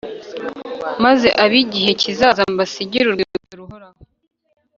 maze ab'igihe kizaza mbasigire urwibutso ruhoraho